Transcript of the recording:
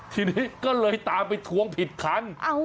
ทีนี้ก็เลยตามไปทวงผิดคัน